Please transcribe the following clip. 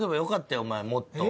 お前もっと。